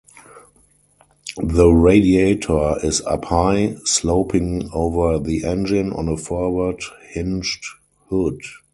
The radiator is up high, sloping over the engine on a forward-hinged hood.